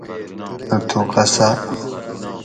مہۤ تُھوں قصاۤ